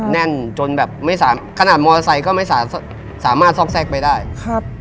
แน่นจนแบบไม่สามารถขนาดมอเตอร์ไซค์ก็ไม่สามารถซอกแทรกไปได้ครับ